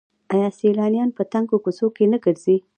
آیا سیلانیان په تنګو کوڅو کې نه ګرځي؟